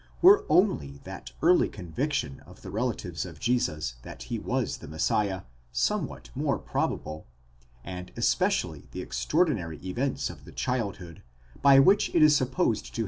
Were only that early conviction of the relatives of Jesus that he was the Messiah somewhat more probable, and especially the extraordinary events of the childhood, by which it is supposed to have been produced, better accredited!